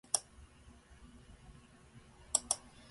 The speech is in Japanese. まれにみる文理両方をかねた人でした